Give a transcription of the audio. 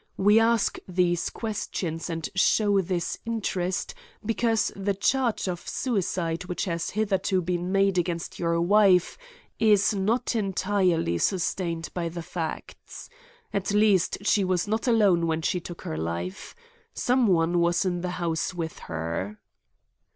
We ask these questions and show this interest because the charge of suicide which has hitherto been made against your wife is not entirely sustained by the facts. At least she was not alone when she took her life. Some one was in the house with her."